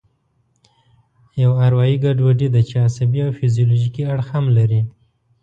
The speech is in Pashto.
یوه اروایي ګډوډي ده چې عصبي او فزیولوژیکي اړخ هم لري.